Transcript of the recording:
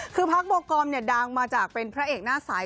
คือพักโบกอมเนี่ยดังมาจากเป็นพระเอกหน้าสาย